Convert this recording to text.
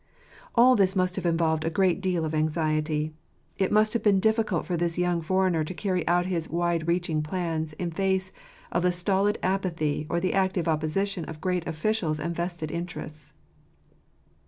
All this must have involved a great deal of anxiety; it must have been difficult for this young foreigner to carry out his wide reaching plans in face of the stolid apathy or the active opposition of great officials and vested interests.